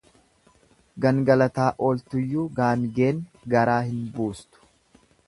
Gangalataa ooltuyyuu gaangeen garaa hin buustu.